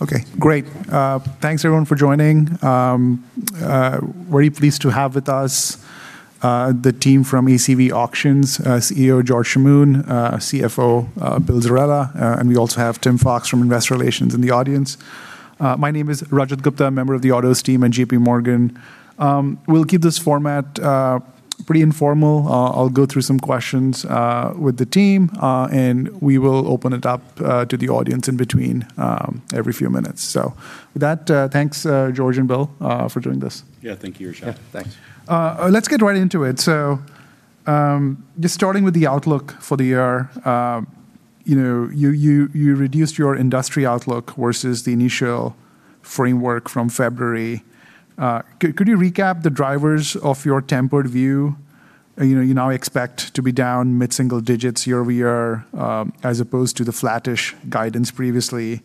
Okay, great. Thanks everyone for joining. We're pleased to have with us, the team from ACV Auctions, CEO George Chamoun, CFO Bill Zerella, and we also have Tim Fox from Investor Relations in the audience. My name is Rajat Gupta, member of the autos team at JPMorgan. We'll keep this format pretty informal. I'll go through some questions with the team, and we will open it up to the audience in between every few minutes. With that, thanks George and Bill for doing this. Yeah. Thank you, Rajat. Yeah. Thanks. Let's get right into it. Just starting with the outlook for the year. You know, you reduced your industry outlook versus the initial framework from February. Could you recap the drivers of your tempered view? You now expect to be down mid-single digits year-over-year, as opposed to the flattish guidance previously.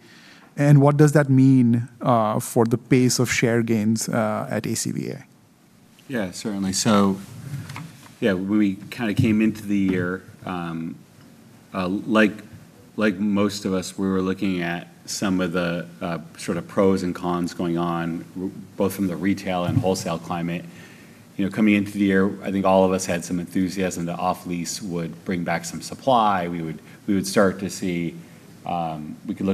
What does that mean for the pace of share gains at ACVA? Yeah, certainly. When we came into the year, like most of us, we were looking at some of the pros and cons going on, both from the retail and wholesale climate. Coming into the year, I think all of us had some enthusiasm that off-lease would bring back some supply. We could look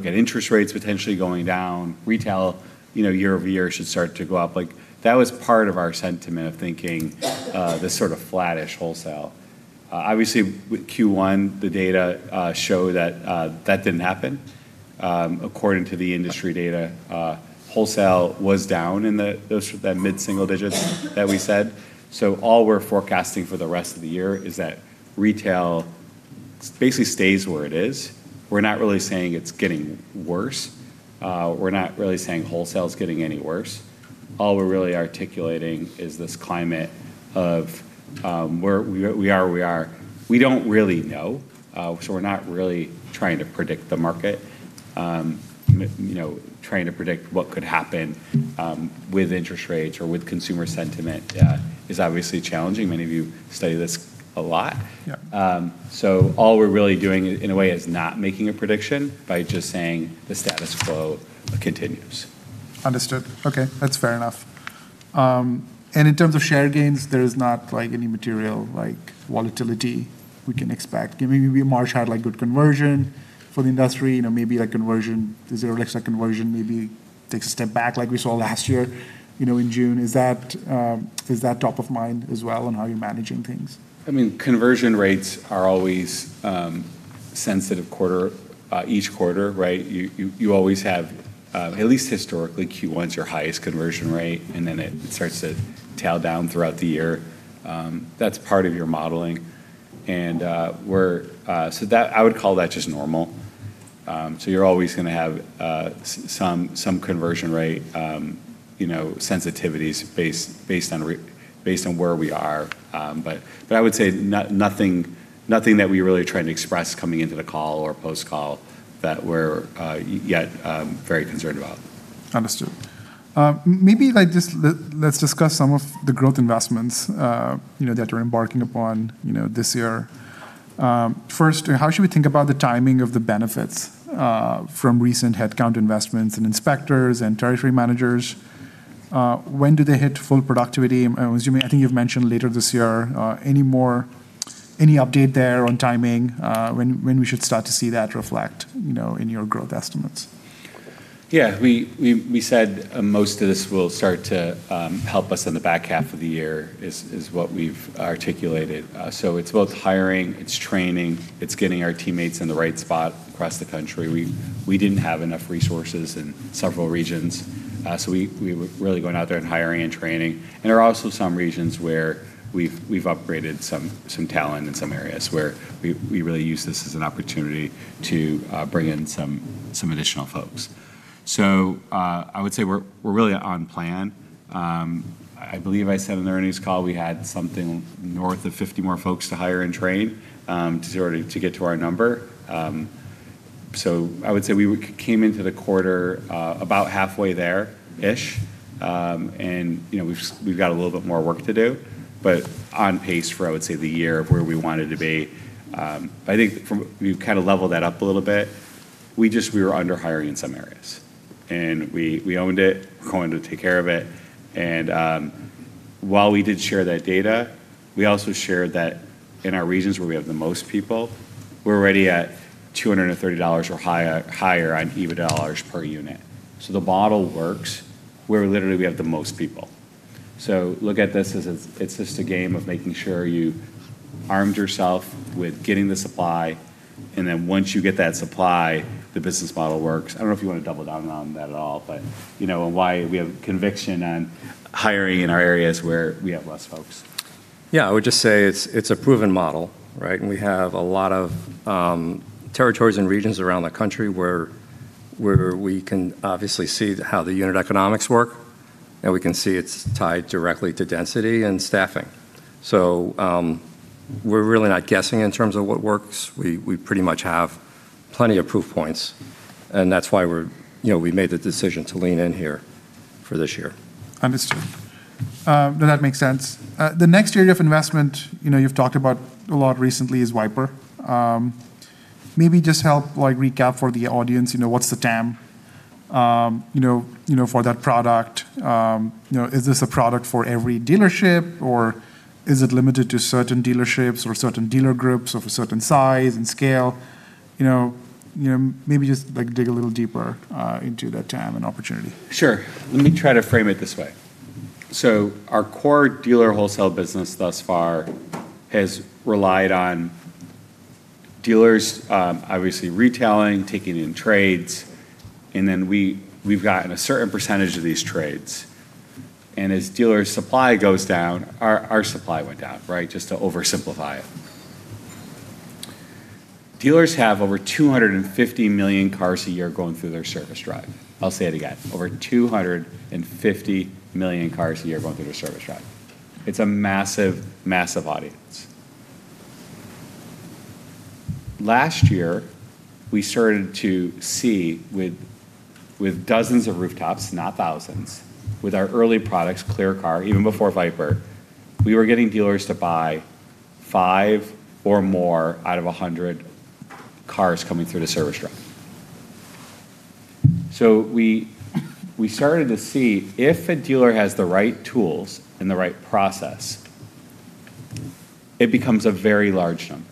at interest rates potentially going down. Retail, you know, year-over-year should start to go up. That was part of our sentiment of thinking this sort of flattish wholesale. Obviously, with Q1, the data show that that didn't happen. According to the industry data, wholesale was down in that mid-single digits that we said. All we're forecasting for the rest of the year is that retail basically stays where it is. We're not really saying it's getting worse. We're not really saying wholesale's getting any worse. All we're really articulating is this climate of where we are. We don't really know, so we're not really trying to predict the market. You know, trying to predict what could happen with interest rates or with consumer sentiment is obviously challenging. Many of you study this a lot. Yeah. All we're really doing in a way is not making a prediction by just saying the status quo continues. Understood. Okay. That's fair enough. In terms of share gains, there is not any material volatility we can expect. Maybe March had good conversion for the industry. Maybe conversion, is there a reversion, maybe takes a step back like we saw last year in June? Is that top of mind as well on how you're managing things? I mean, conversion rates are always sensitive each quarter. You always have, at least historically, Q1's your highest conversion rate, and then it starts to tail down throughout the year. That's part of your modeling. I would call that just normal. You're always going to have some conversion rate, you know, sensitivities based on where we are. I would say nothing that we really tried to express coming into the call or post call that we're yet very concerned about. Understood. Maybe let's discuss some of the growth investments that are embarking upon this year. First, how should we think about the timing of the benefits from recent headcount investments in inspectors and territory managers? When do they hit full productivity? I think you've mentioned later this year. Any update there on timing, when we should start to see that reflect in your growth estimates? Yeah. We said most of this will start to help us in the back half of the year, is what we've articulated. It's both hiring, it's training, it's getting our teammates in the right spot across the country. We didn't have enough resources in several regions, we were really going out there and hiring and training. There are also some regions where we've upgraded some talent in some areas, where we really use this as an opportunity to bring in some additional folks. I would say we're really on plan. I believe I said in the earnings call we had something north of 50 more folks to hire and train to get to our number. I would say we came into the quarter about halfway there-ish. We've got a little bit more work to do, but on pace for, I would say, the year of where we wanted to be. I think to kind of level that up a little bit, we were under-hiring in some areas. We owned it, we're going to take care of it, and while we did share that data, we also shared that in our regions where we have the most people, we're already at $230 or higher on EBITDA per unit. The model works where literally we have the most people. Look at this as it's just a game of making sure you armed yourself with getting the supply, and then once you get that supply, the business model works. I don't know if you want to double down on that at all, but, and why we have conviction on hiring in our areas where we have less folks. Yeah, I would just say it's a proven model. We have a lot of territories and regions around the country where we can obviously see how the unit economics work, and we can see it's tied directly to density and staffing. We're really not guessing in terms of what works. We pretty much have plenty of proof points. That's why we made the decision to lean in here. For this year. Understood. Does that make sense? The next area of investment you've talked about a lot recently is VIPER. Maybe just help recap for the audience, what's the TAM for that product? Is this a product for every dealership, or is it limited to certain dealerships or certain dealer groups of a certain size and scale? Maybe just dig a little deeper into that TAM and opportunity. Sure. Let me try to frame it this way. Our core dealer wholesale business thus far has relied on dealers, obviously retailing, taking in trades, and then we've gotten a certain percentage of these trades. As dealer supply goes down, our supply went down. Just to oversimplify it. Dealers have over 250 million cars a year going through their service drive. I'll say it again, over 250 million cars a year going through their service drive. It's a massive audience. Last year, we started to see with dozens of rooftops, not thousands, with our early products, ClearCar, even before VIPER, we were getting dealers to buy five or more out of 100 cars coming through the service shop. We started to see if a dealer has the right tools and the right process, it becomes a very large number.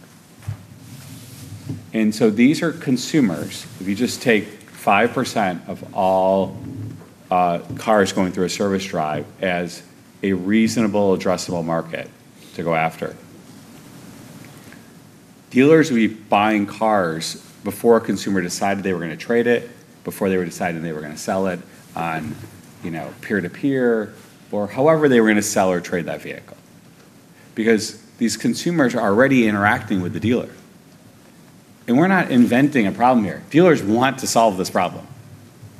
These are consumers. If you just take 5% of all cars going through a service drive as a reasonable addressable market to go after. Dealers will be buying cars before a consumer decided they were going to trade it, before they decided they were going to sell it on peer-to-peer, or however they were going to sell or trade that vehicle. These consumers are already interacting with the dealer. We're not inventing a problem here. Dealers want to solve this problem.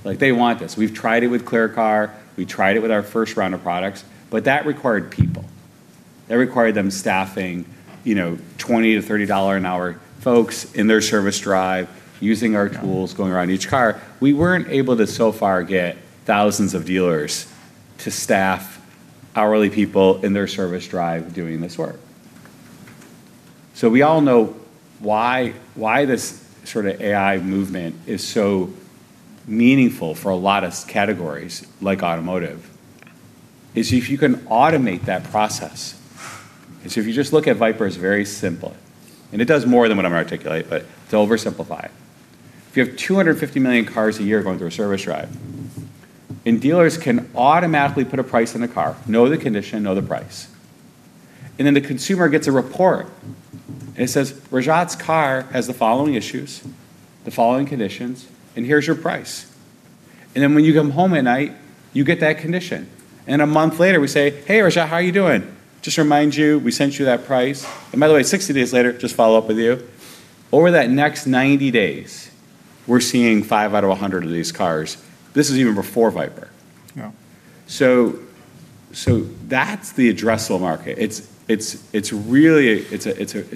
They want this. We've tried it with ClearCar. We tried it with our first round of products, that required people. That required them staffing $20 to $30 an hour folks in their service drive, using our tools, going around each car. We weren't able to so far get thousands of dealers to staff hourly people in their service drive doing this work. We all know why this sort of AI movement is so meaningful for a lot of categories, like automotive. Is if you can automate that process, if you just look at VIPER as very simple, and it does more than what I'm going to articulate, but to oversimplify it. If you have 250 million cars a year going through a service drive, dealers can automatically put a price on the car, know the condition, know the price, then the consumer gets a report and it says, "Rajat's car has the following issues, the following conditions, and here's your price." When you come home at night, you get that condition. A month later, we say, "Hey, Rajat, how are you doing? Just to remind you, we sent you that price. By the way, 60 days later, just follow up with you." Over that next 90 days, we're seeing 5 out of 100 of these cars. This is even before VIPER. Yeah. That's the addressable market. It's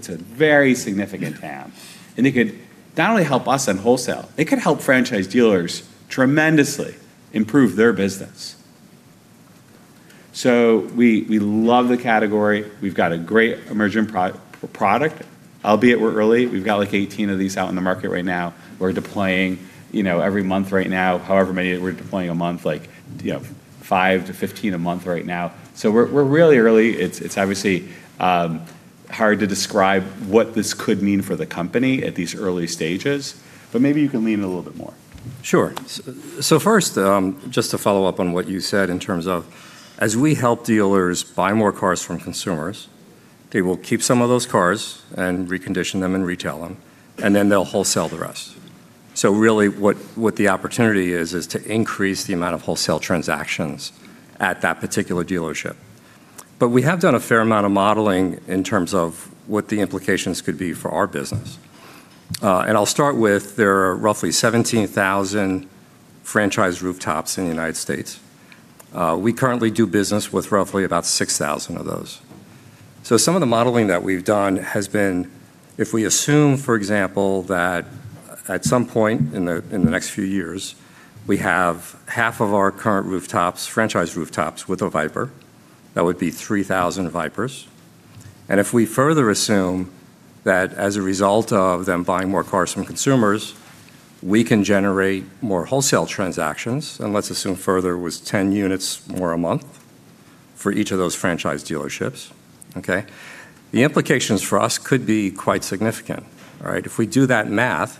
a very significant TAM. It could not only help us on wholesale, it could help franchise dealers tremendously improve their business. We love the category. We've got a great emerging product, albeit we're early. We've got 18 of these out in the market right now. We're deploying every month right now, however many we're deploying a month, like 5-15 a month right now. We're really early. It's obviously hard to describe what this could mean for the company at these early stages, but maybe you can lean in a little bit more. Sure. First, just to follow up on what you said in terms of, as we help dealers buy more cars from consumers, they will keep some of those cars and recondition them and retail them, and then they'll wholesale the rest. Really what the opportunity is to increase the amount of wholesale transactions at that particular dealership. We have done a fair amount of modeling in terms of what the implications could be for our business. I'll start with, there are roughly 17,000 franchise rooftops in the United States. We currently do business with roughly about 6,000 of those. Some of the modeling that we've done has been, if we assume, for example, that at some point in the next few years, we have half of our current franchise rooftops with a VIPER, that would be 3,000 VIPERs. If we further assume that as a result of them buying more cars from consumers, we can generate more wholesale transactions. Let's assume further it was 10 units more a month for each of those franchise dealerships. Okay. The implications for us could be quite significant. If we do that math,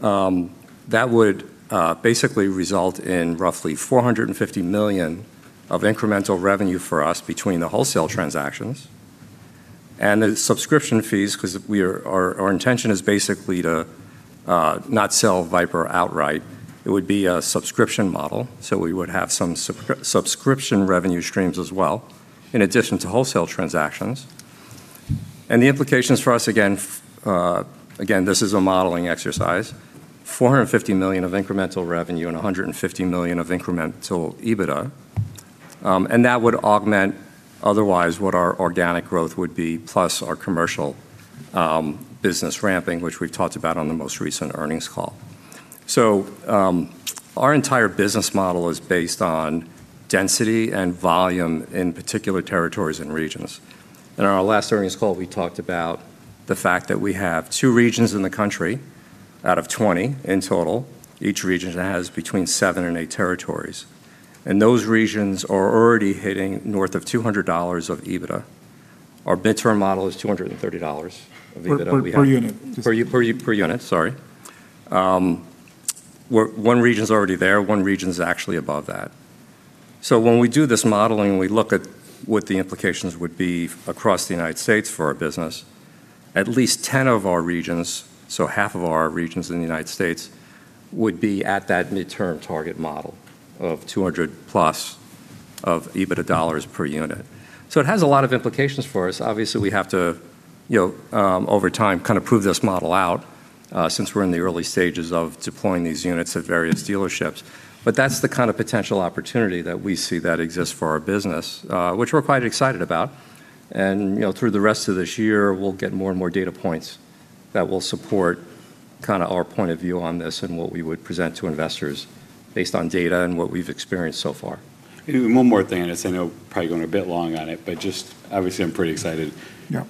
that would basically result in roughly $450 million of incremental revenue for us between the wholesale transactions and the subscription fees, because our intention is basically to not sell VIPER outright. It would be a subscription model. We would have some subscription revenue streams as well in addition to wholesale transactions. The implications for us, again, this is a modeling exercise, $450 million of incremental revenue and $150 million of incremental EBITDA. That would augment otherwise what our organic growth would be, plus our commercial business ramping, which we've talked about on the most recent earnings call. Our entire business model is based on density and volume in particular territories and regions. In our last earnings call, we talked about the fact that we have two regions in the country, out of 20 in total. Each region has between seven and eight territories, and those regions are already hitting north of $200 of EBITDA. Our midterm model is $230 of EBITDA. Per unit Per unit, sorry. One region's already there, one region's actually above that. When we do this modeling, we look at what the implications would be across the United States for our business. At least 10 of our regions, so half of our regions in the United States would be at that midterm target model of 200-plus of EBITDA dollars per unit. It has a lot of implications for us. Obviously, we have to, over time, prove this model out, since we're in the early stages of deploying these units at various dealerships. That's the kind of potential opportunity that we see that exists for our business, which we're quite excited about. Through the rest of this year, we'll get more and more data points that will support our point of view on this and what we would present to investors based on data and what we've experienced so far. One more thing, and I know I'm probably going a bit long on it, but obviously I'm pretty excited. Yeah.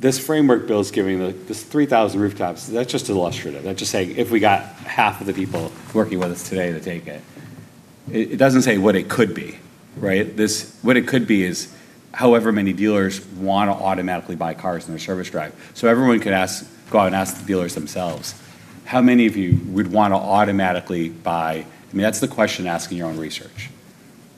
This framework Bill's giving, this 3,000 rooftops, that's just illustrative. That's just saying if we got half of the people working with us today to take it. It doesn't say what it could be, right? What it could be is however many dealers want to automatically buy cars from our service drive. Everyone can go out and ask the dealers themselves, "How many of you would want to automatically buy" That's the question to ask in your own research.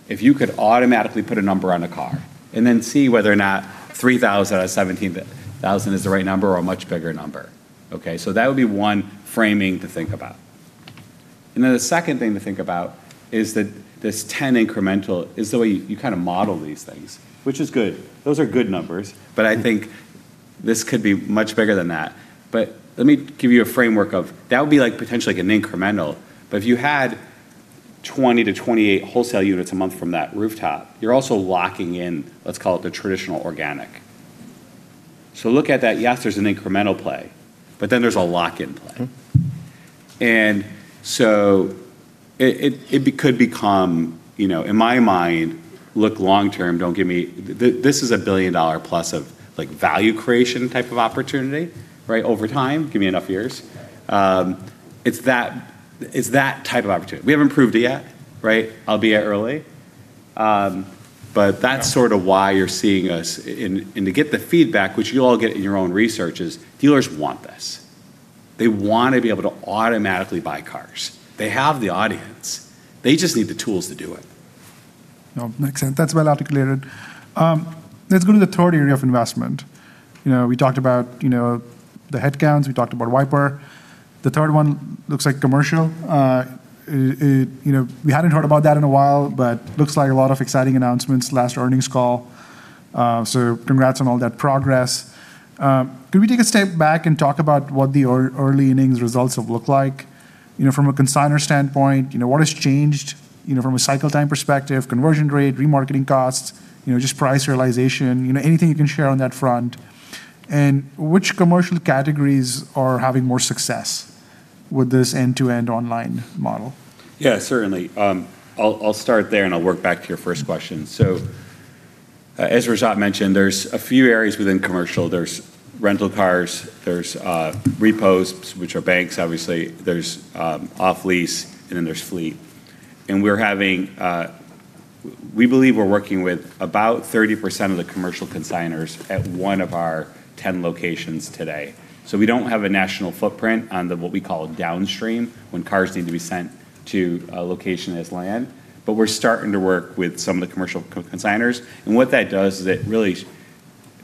If you could automatically put a number on a car and then see whether or not 3,000 or 17,000 is the right number or a much bigger number. Okay, that would be one framing to think about. The second thing to think about is that this 10 incremental is the way you model these things, which is good. Those are good numbers, but I think this could be much bigger than that. Let me give you a framework of that would be potentially an incremental, but if you had 20-28 wholesale units a month from that rooftop, you're also locking in, let's call it, the traditional organic. Look at that. Yes, there's an incremental play, but then there's a lock-in play. It could become, in my mind, look long-term, this is a billion-dollar-plus of value creation type of opportunity, right? Over time, give me enough years. It's that type of opportunity. We haven't proved it yet, right? Albeit early, but that's sort of why you're seeing us. To get the feedback, which you'll all get in your own research, is dealers want this. They want to be able to automatically buy cars. They have the audience. They just need the tools to do it. No, makes sense. That's well articulated. Let's go to the third area of investment. We talked about the headcounts, we talked about VIPER. The third one looks like commercial. We hadn't heard about that in a while, but looks like a lot of exciting announcements last earnings call. Congrats on all that progress. Could we take a step back and talk about what the early innings results have looked like from a consignor standpoint? What has changed from a cycle time perspective, conversion rate, remarketing costs, just price realization. Anything you can share on that front, and which commercial categories are having more success with this end-to-end online model? Yeah, certainly. I'll start there and I'll work back to your first question. As Rajat mentioned, there's a few areas within commercial. There's rental cars, there's repos, which are banks, obviously, there's off-lease, and then there's fleet. We believe we're working with about 30% of the commercial consignors at one of our 10 locations today. We don't have a national footprint on what we call downstream, when cars need to be sent to a location as land. We're starting to work with some of the commercial consignors. What that does is it really,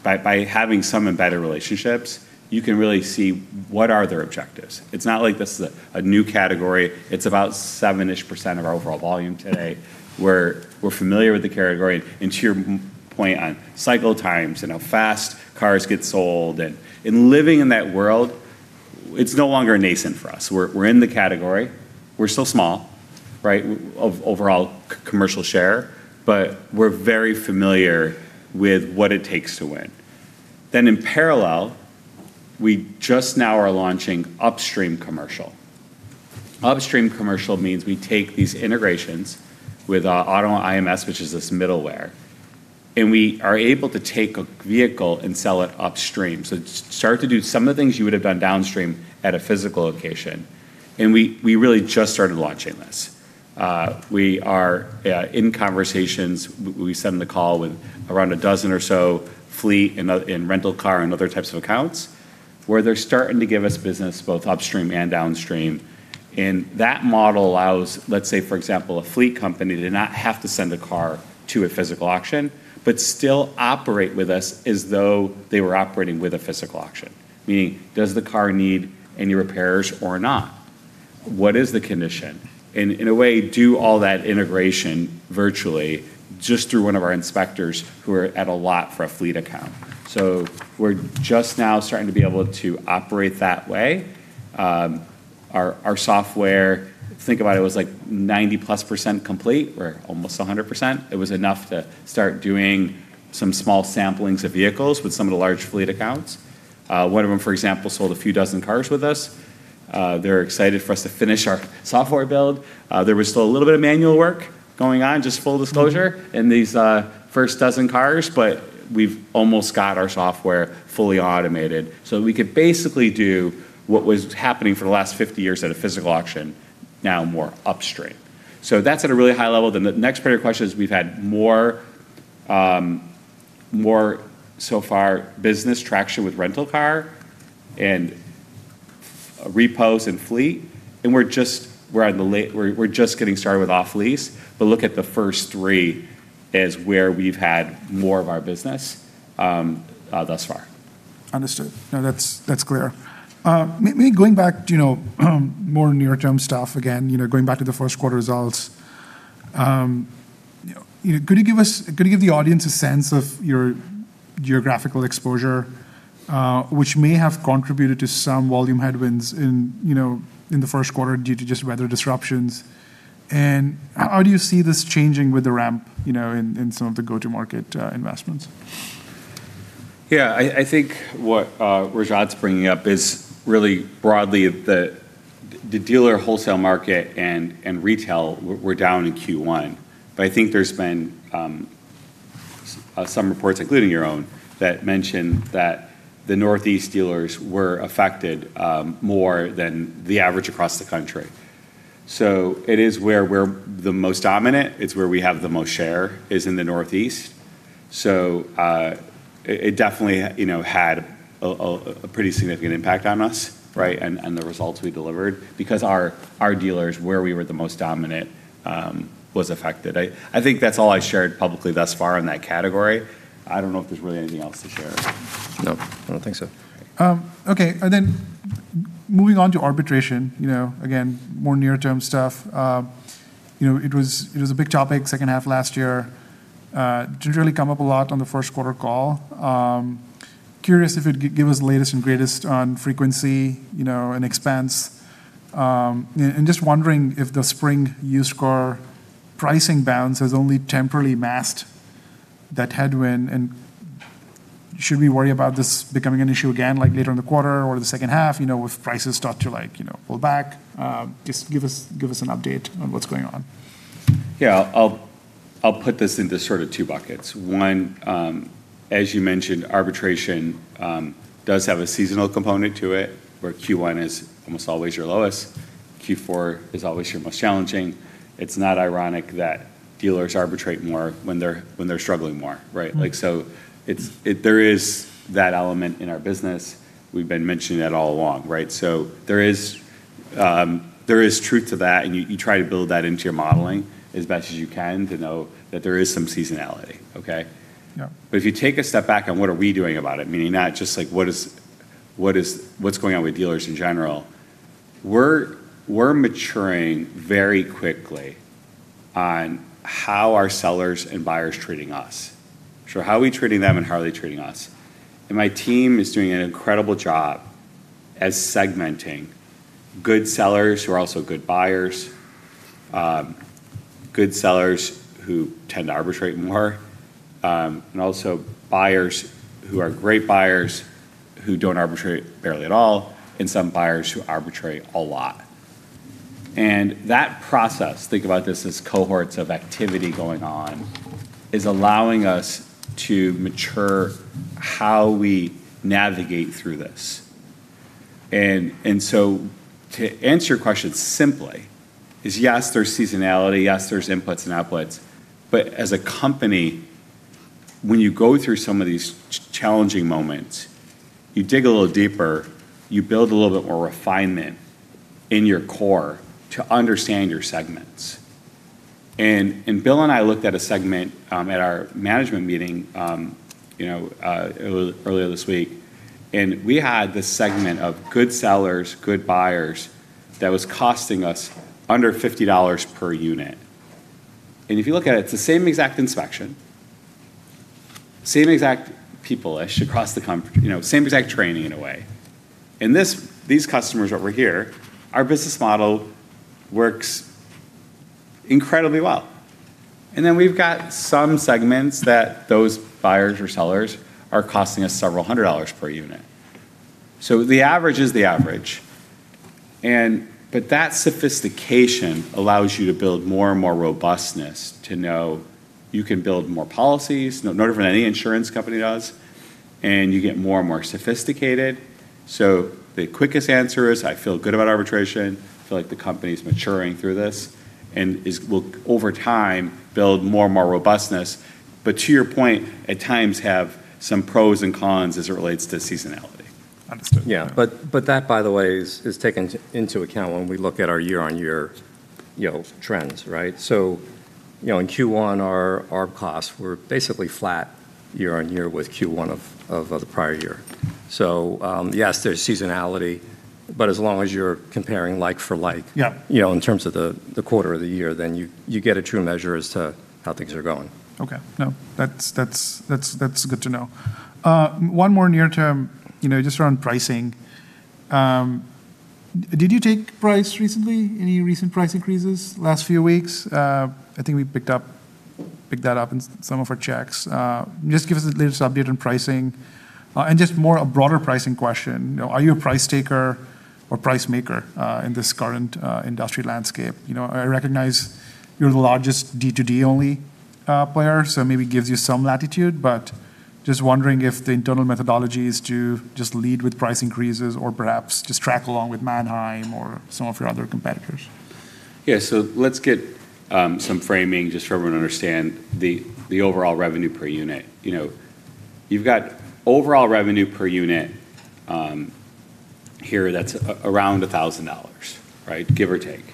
by having some embedded relationships, you can really see what are their objectives. It's not like this is a new category. It's about 7-ish% of our overall volume today, where we're familiar with the category. To your point on cycle times and how fast cars get sold and living in that world, it's no longer nascent for us. We're in the category. We're still small, right, of overall commercial share, but we're very familiar with what it takes to win. In parallel, we just now are launching upstream commercial. Upstream commercial means we take these integrations with our AutoIMS, which is this middleware, and we are able to take a vehicle and sell it upstream. Start to do some of the things you would have done downstream at a physical location. We really just started launching this. We are in conversations. We said in the call with around a dozen or so fleet and rental car and other types of accounts, where they're starting to give us business both upstream and downstream. That model allows, let's say, for example, a fleet company to not have to send a car to a physical auction, but still operate with us as though they were operating with a physical auction. Meaning, does the car need any repairs or not? What is the condition? In a way, do all that integration virtually just through one of our inspectors who are at a lot for a fleet account. We're just now starting to be able to operate that way. Our software, think about it, was like 90+% complete, or almost 100%. It was enough to start doing some small samplings of vehicles with some of the large fleet accounts. One of them, for example, sold a few dozen cars with us. They're excited for us to finish our software build. There was still a little bit of manual work going on, just full disclosure, in these first 12 cars, but we've almost got our software fully automated. We could basically do what was happening for the last 50 years at a physical auction, now more upstream. The next part of your question is we've had more so far business traction with rental car and repos and fleet, and we're just getting started with off-lease. Look at the first three as where we've had more of our business thus far. Understood. No, that's clear. Maybe going back, more near-term stuff again, going back to the first quarter results. Could you give the audience a sense of your geographical exposure, which may have contributed to some volume headwinds in the first quarter due to just weather disruptions? How do you see this changing with the ramp, in some of the go-to-market investments? Yeah, I think what Rajat's bringing up is really broadly the dealer wholesale market and retail were down in Q1. I think there's been some reports, including your own, that mention that the Northeast dealers were affected more than the average across the country. It is where we're the most dominant. It's where we have the most share, is in the Northeast. It definitely had a pretty significant impact on us, right? The results we delivered, because our dealers where we were the most dominant, was affected. I think that's all I've shared publicly thus far in that category. I don't know if there's really anything else to share. No, I don't think so. Okay. Moving on to arbitration. Again, more near-term stuff. It was a big topic second half of last year. Didn't really come up a lot on the first quarter call. Curious if you'd give us the latest and greatest on frequency and expense. Just wondering if the spring used car pricing bounce has only temporarily masked that headwind, and should we worry about this becoming an issue again later in the quarter or the second half, if prices start to pull back? Just give us an update on what's going on? Yeah. I'll put this into sort of two buckets. One, as you mentioned, arbitration does have a seasonal component to it, where Q1 is almost always your lowest. Q4 is always your most challenging. It's not ironic that dealers arbitrate more when they're struggling more, right? There is that element in our business. We've been mentioning that all along, right? There is truth to that, and you try to build that into your modeling as best as you can to know that there is some seasonality, okay? Yeah. If you take a step back on what are we doing about it, meaning not just what's going on with dealers in general, we're maturing very quickly on how are sellers and buyers treating us? Sure, how are we treating them and how are they treating us? My team is doing an incredible job at segmenting good sellers who are also good buyers, good sellers who tend to arbitrate more, and also buyers who are great buyers, who don't arbitrate barely at all, and some buyers who arbitrate a lot. That process, think about this as cohorts of activity going on, is allowing us to mature how we navigate through this. To answer your question simply, is yes, there's seasonality. Yes, there's inputs and outputs. As a company, when you go through some of these challenging moments, you dig a little deeper, you build a little bit more refinement in your core to understand your segments. Bill and I looked at a segment at our management meeting earlier this week, and we had this segment of good sellers, good buyers, that was costing us under $50 per unit. If you look at it's the same exact inspection, same exact people-ish across the company, same exact training in a way. In these customers over here, our business model works incredibly well. Then we've got some segments that those buyers or sellers are costing us several hundred dollars per unit. The average is the average, but that sophistication allows you to build more and more robustness to know you can build more policies, no different than any insurance company does, and you get more and more sophisticated. The quickest answer is I feel good about arbitration. I feel like the company's maturing through this and will, over time, build more and more robustness, but to your point, at times have some pros and cons as it relates to seasonality. Understood. Yeah. That, by the way, is taken into account when we look at our year-on-year trends, right? In Q1, our ARB costs were basically flat year-on-year with Q1 of the prior year. Yes, there's seasonality, but as long as you're comparing like for like. Yeah In terms of the quarter or the year, then you get a true measure as to how things are going. Okay. No, that's good to know. One more near term, just around pricing. Did you take price recently? Any recent price increases last few weeks? I think we picked that up in some of our checks. Just give us the latest update on pricing. Just more a broader pricing question, are you a price taker or price maker in this current industry landscape? I recognize you're the largest D2D-only player, so maybe gives you some latitude. Just wondering if the internal methodology is to just lead with price increases or perhaps just track along with Manheim or some of your other competitors. Yeah. Let's get some framing just so everyone understand the overall revenue per unit. You've got overall revenue per unit, here that's around $1,000, give or take.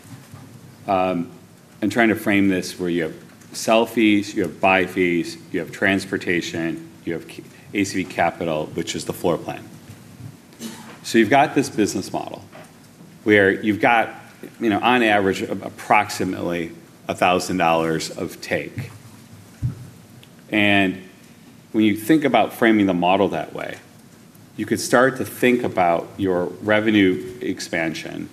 I'm trying to frame this where you have sell fees, you have buy fees, you have transportation, you have ACV Capital, which is the floor plan. You've got this business model, where you've got on average, approximately $1,000 of take. When you think about framing the model that way, you could start to think about your revenue expansion.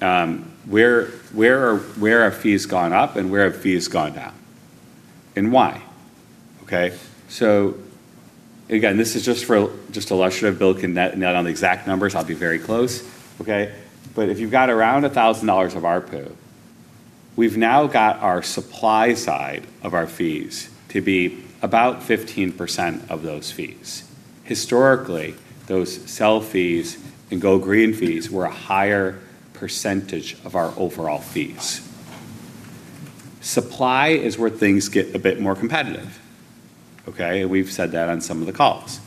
Where have fees gone up and where have fees gone down, and why? Okay. Again, this is just illustrative. Bill can net on the exact numbers. I'll be very close. Okay. If you've got around $1,000 of ARPU, we've now got our supply side of our fees to be about 15% of those fees. Historically, those sell fees and Go Green fees were a higher % of our overall fees. Supply is where things get a bit more competitive. Okay. We've said that on some of the calls.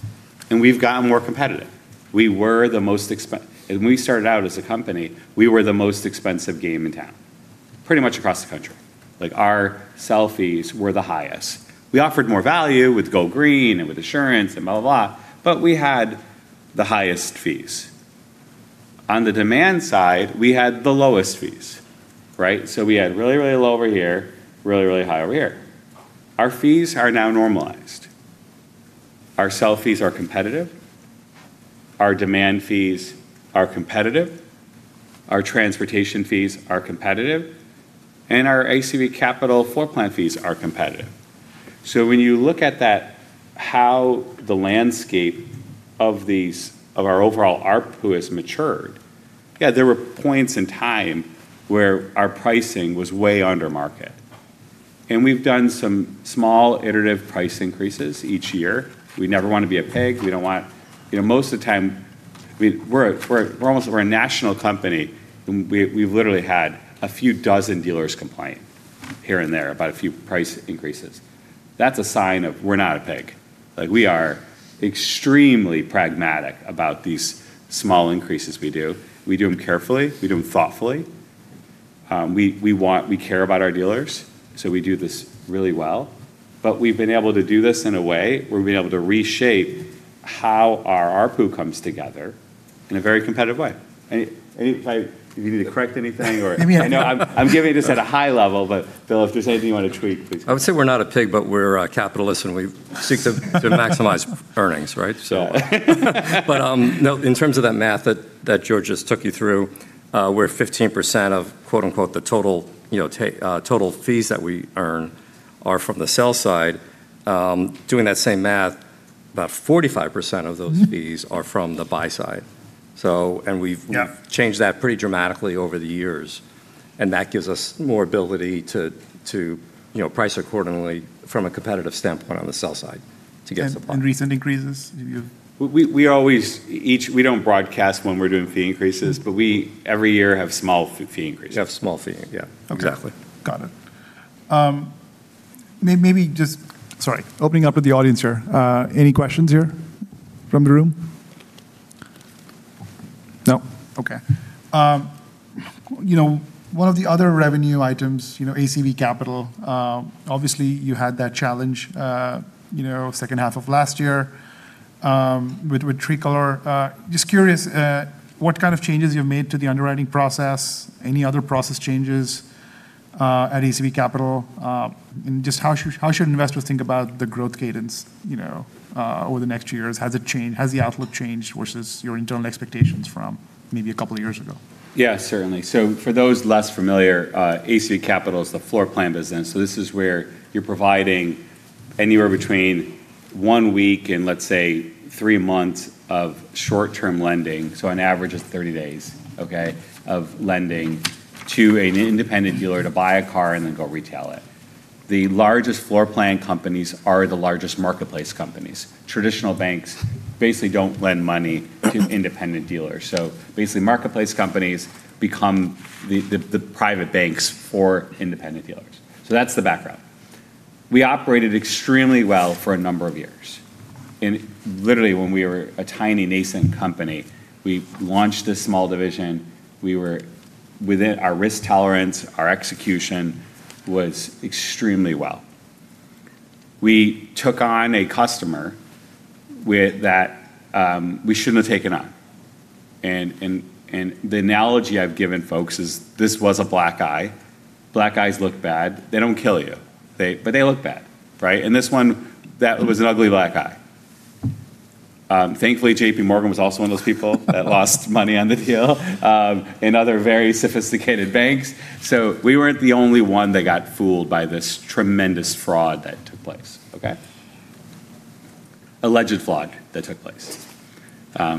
We've gotten more competitive. When we started out as a company, we were the most expensive game in town, pretty much across the country. Our sell fees were the highest. We offered more value with Go Green, and with Assurance, and blah, blah, but we had the highest fees. On the demand side, we had the lowest fees, right? We had really low over here, really high over here. Our fees are now normalized. Our sell fees are competitive, our demand fees are competitive, our transportation fees are competitive, and our ACV Capital floor plan fees are competitive. When you look at that, how the landscape of our overall ARPU has matured, there were points in time where our pricing was way under market. We've done some small iterative price increases each year. We never want to be a pig. We're a national company, and we've literally had a few dozen dealers complain here and there about a few price increases. That's a sign of we're not a pig. We are extremely pragmatic about these small increases we do. We do them carefully. We do them thoughtfully. We care about our dealers, we do this really well. We've been able to do this in a way where we've been able to reshape how our ARPU comes together in a very competitive way. You need to correct anything or? Yeah. I know I'm giving this at a high level, but Bill, if there's anything you want to tweak, please. I would say we're not a pig, but we're a capitalist and we seek to maximize earnings, right? No, in terms of that math that George just took you through, where 15% of, quote unquote, "the total fees" that we earn are from the sell side. Doing that same math, about 45% of those fees are from the buy side. Yeah. We've changed that pretty dramatically over the years, and that gives us more ability to price accordingly from a competitive standpoint on the sell side to get supply. And recent increases? We don't broadcast when we're doing fee increases, but we every year have small fee increases. We have small fee, yeah. Okay. Exactly. Got it. Sorry, opening up to the audience here. Any questions here from the room? No. Okay. One of the other revenue items, ACV Capital, obviously you had that challenge, second half of last year, with Tricolor. Just curious, what kind of changes you've made to the underwriting process, any other process changes, at ACV Capital? Just how should investors think about the growth cadence over the next few years? Has the outlook changed versus your internal expectations from maybe a couple of years ago? Yeah, certainly. For those less familiar, ACV Capital is the floor plan business. This is where you're providing anywhere between 1 week and, let's say, 3 months of short-term lending, on average, it's 30 days of lending to an independent dealer to buy a car and then go retail it. The largest floor plan companies are the largest marketplace companies. Traditional banks basically don't lend money to independent dealers. Basically, marketplace companies become the private banks for independent dealers. That's the background. We operated extremely well for a number of years. Literally when we were a tiny nascent company, we launched this small division. Our risk tolerance, our execution was extremely well. We took on a customer that we shouldn't have taken on. The analogy I've given folks is this was a black eye. Black eyes look bad. They don't kill you. They look bad, right? This one, that was an ugly black eye. Thankfully, JPMorgan was also one of those people that lost money on the deal and other very sophisticated banks. We weren't the only one that got fooled by this tremendous fraud that took place. Okay. Alleged fraud that took place,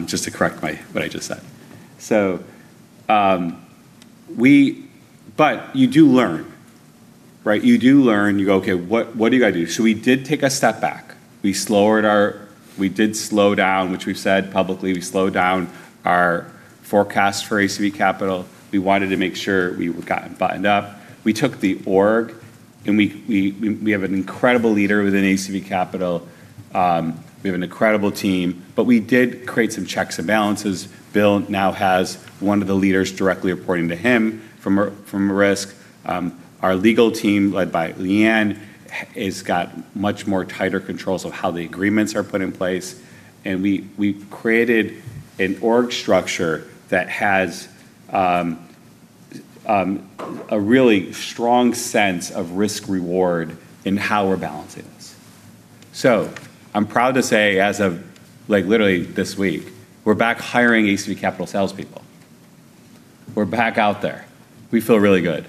just to correct what I just said. You do learn, right? You do learn, you go, "Okay, what do you got to do?" We did take a step back. We did slow down, which we've said publicly, we slowed down our forecast for ACV Capital. We wanted to make sure we got buttoned up. We took the org, and we have an incredible leader within ACV Capital. We have an incredible team, we did create some checks and balances. Bill now has one of the leaders directly reporting to him from risk. Our legal team, led by Leanne, has got much tighter controls of how the agreements are put in place, and we've created an org structure that has a really strong sense of risk-reward in how we're balancing this. I'm proud to say as of literally this week, we're back hiring ACV Capital salespeople. We're back out there. We feel really good,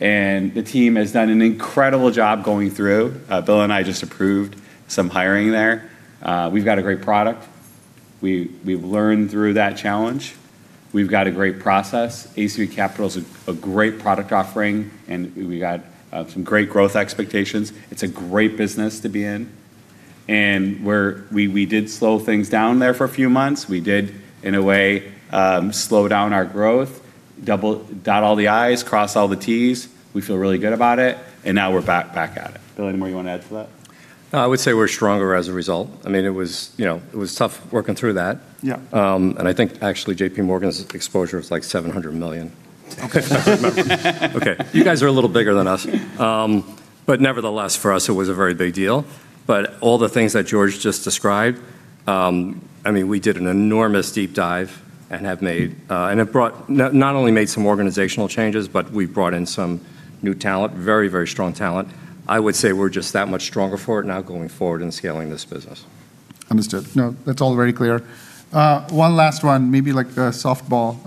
and the team has done an incredible job going through. Bill and I just approved some hiring there. We've got a great product. We've learned through that challenge. We've got a great process. ACV Capital is a great product offering, and we got some great growth expectations. It's a great business to be in, and we did slow things down there for a few months. We did, in a way, slow down our growth, dot all the I's, cross all the T's. We feel really good about it, and now we're back at it. Bill, anything more you want to add to that? I would say we're stronger as a result. It was tough working through that. Yeah. I think actually JPMorgan's exposure was, like, $700 million. Okay. If I remember. Okay. You guys are a little bigger than us. Nevertheless, for us, it was a very big deal. All the things that George just described, we did an enormous deep dive and have not only made some organizational changes, but we've brought in some new talent. Very, very strong talent. I would say we're just that much stronger for it now going forward and scaling this business. Understood. No, that's all very clear. One last one, maybe like a softball.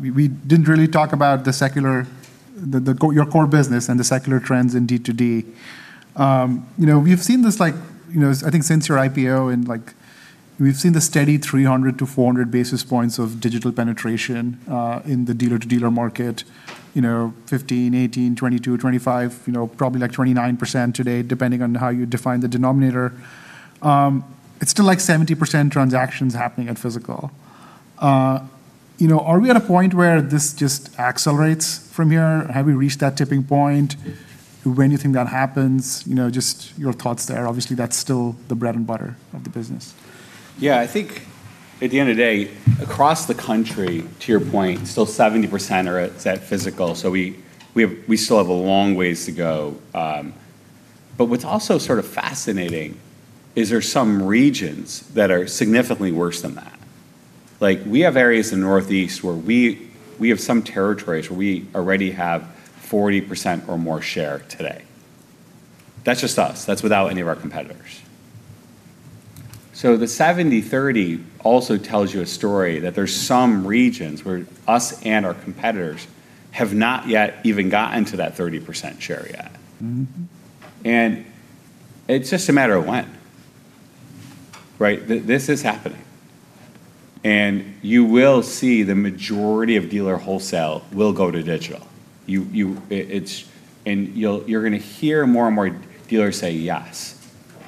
We didn't really talk about your core business and the secular trends in D2D. We've seen this, I think since your IPO, and we've seen the steady 300-400 basis points of digital penetration, in the dealer-to-dealer market. You know, 15, 18, 22, 25, probably like 29% today, depending on how you define the denominator. It's still like 70% transactions happening at physical. Are we at a point where this just accelerates from here? Have we reached that tipping point? When you think that happens, just your thoughts there. Obviously, that's still the bread and butter of the business. I think at the end of the day, across the country, to your point, still 70% are at physical, so we still have a long ways to go. What's also sort of fascinating is there's some regions that are significantly worse than that. We have areas in the Northeast where we have some territories where we already have 40% or more share today. That's just us. That's without any of our competitors. The 70/30 also tells you a story that there's some regions where us and our competitors have not yet even gotten to that 30% share yet. It's just a matter of when, right? This is happening, and you will see the majority of dealer wholesale will go to digital. You're going to hear more and more dealers say yes.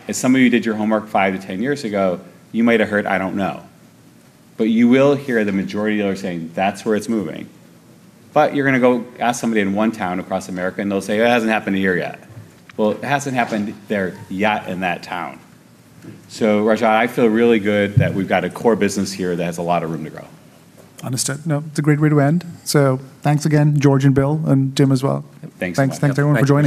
If some of you did your homework 5-10 years ago, you might have heard "I don't know." You will hear the majority of dealers saying that's where it's moving. You're going to go ask somebody in 1 town across America, and they'll say, "It hasn't happened here yet." It hasn't happened there yet in that town. Rajat, I feel really good that we've got a core business here that has a lot of room to grow. Understood. No, it's a great way to end. Thanks again, George and Bill, and Tim as well. Thanks. Thanks everyone for joining.